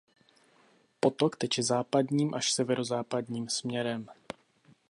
Potok teče západním až severozápadním směrem.